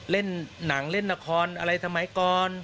เล่นหนังเล่นละครอะไรสมัยก่อน